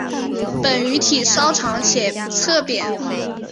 本鱼体稍长且侧扁。